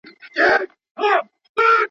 ښه خبر وو مندوشاه له مصیبته.